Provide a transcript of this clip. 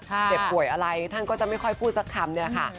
เจ็บป่วยอะไรท่านก็จะไม่ค่อยพูดสักคำเนี่ยค่ะ